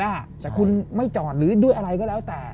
แต่คุณไม่จอดหรือด้วยอะไรก็แล้วแต่